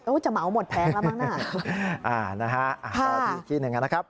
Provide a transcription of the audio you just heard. โอ้ยจะเมาหมดแพงแล้วมั้งน่ะอ่านะฮะที่หนึ่งอ่ะนะครับ